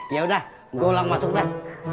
yaudah gue ulang masuk dah